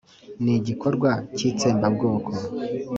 ni igikorwa cy'itsembabwoko